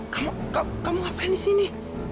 kamu ngapain di sini